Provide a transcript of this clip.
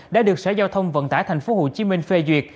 đã được sở giao thông vận tải thành phố hồ chí minh phê duyệt